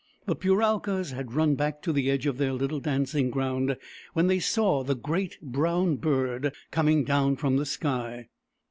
The Puralkas had run back to the edge of their little dancing ground when they saw the great brown bird coming down from the sky.